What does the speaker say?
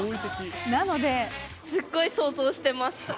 すっごい想像してます。